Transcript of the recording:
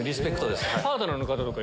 パートナーの方とかは？